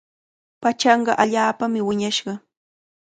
Pachanqa allaapami wiñashqa.